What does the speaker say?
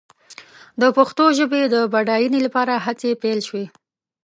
د پښتو ژبې د بډاینې لپاره هڅې پيل شوې.